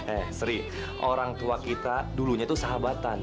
eh sri orang tua kita dulunya itu sahabatan